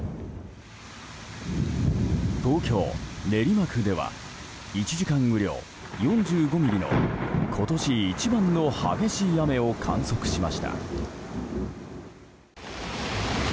東京・練馬区では１時間雨量４５ミリの今年一番の激しい雨を観測しました。